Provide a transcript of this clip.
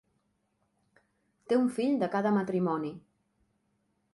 Té un fill de cada matrimoni.